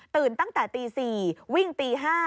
ตั้งแต่ตี๔วิ่งตี๕